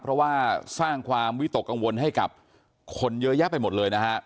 เพราะว่าสร้างความวิตกกังวลให้กับคนเยอะแยะไปหมดเลยนะฮะ